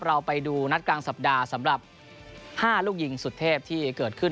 เราไปดูนัดกลางสัปดาห์สำหรับ๕ลูกยิงสุดเทพที่เกิดขึ้น